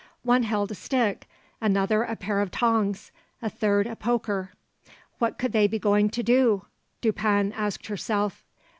One held a stick, another a pair of tongs, a third a poker. What could they be going to do? 'Dupin' asked herself.